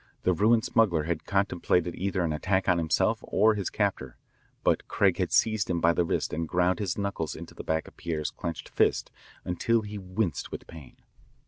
The ruined smuggler had contemplated either an attack on himself or his captor, but Craig had seized him by the wrist and ground his knuckles into the back of Pierre's clenched fist until he winced with pain.